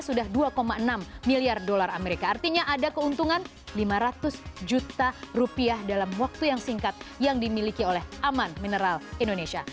sudah dua enam miliar dolar amerika artinya ada keuntungan lima ratus juta rupiah dalam waktu yang singkat yang dimiliki oleh aman mineral indonesia